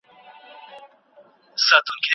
خیر محمد په خپلې صافې باندې د خپل کار نښه پرېښوده.